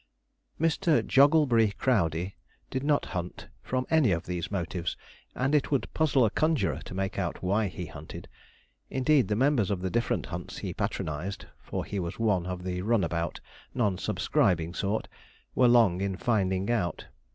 Mr. Jogglebury Crowdey did not hunt from any of these motives, and it would puzzle a conjurer to make out why he hunted; indeed, the members of the different hunts he patronized for he was one of the run about, non subscribing sort were long in finding out.